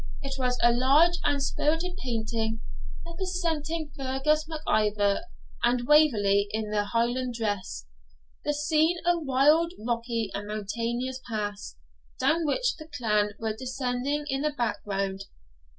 It was a large and spirited painting, representing Fergus Mac Ivor and Waverley in their Highland dress, the scene a wild, rocky, and mountainous pass, down which the clan were descending in the background.